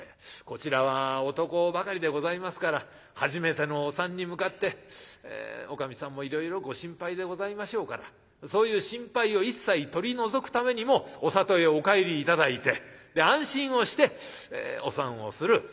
こちらは男ばかりでございますから初めてのお産に向かっておかみさんもいろいろご心配でございましょうからそういう心配を一切取り除くためにもお里へお帰り頂いて安心をしてお産をする。